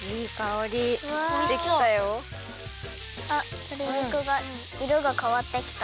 あっとり肉がいろがかわってきた。